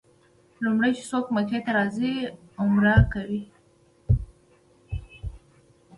لومړی چې څوک مکې ته راځي عمره کوي.